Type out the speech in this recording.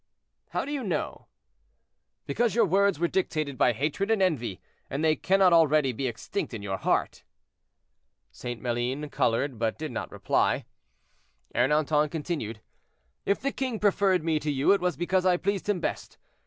"How do you know?" "Because your words were dictated by hatred and envy, and they cannot already be extinct in your heart." St. Maline colored, but did not reply. Ernanton continued, "If the king preferred me to you, it was because I pleased him best.